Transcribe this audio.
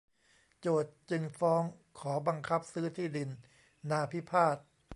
โจทก์จึงฟ้องขอบังคับซื้อที่ดินนาพิพาท